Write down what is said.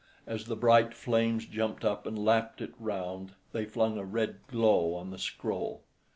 As the bright flames jumped up and lapped it round, they flung a red glow on the scroll.